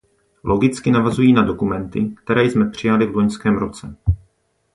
Logicky navazují na dokumenty, které jsme přijali v loňském roce.